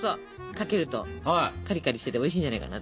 かけるとカリカリしてておいしいんじゃないかな。